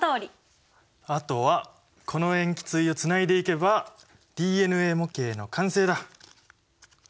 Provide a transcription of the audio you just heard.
あとはこの塩基対をつないでいけばＤＮＡ模型の完成だ。